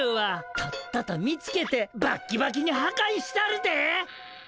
とっとと見つけてバッキバキにはかいしたるで。